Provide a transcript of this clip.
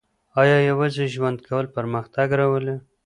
آیا یوازې ژوند کول پرمختګ راولي؟